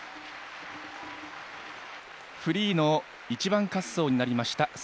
フリーの１番滑走になりました。